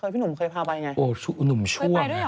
พี่หนุ่มเคยพาไปไง